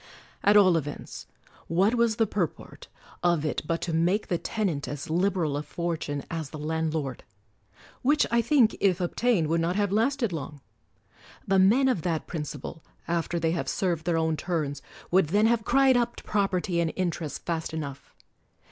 At all events, what was the purport of it but to make the tenant as liberal a fortune as 120 CROMWELL the landlord ?— which, I think, if obtained, would not have lasted long ! The men of that principle, after they have served their own turns, would then have cried up property and interest fast enough